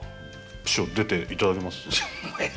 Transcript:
師匠出ていただけます？